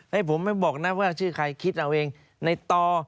ให้ผมไม่บอกนะว่าชื่อใครคิดเอาเองในต่อ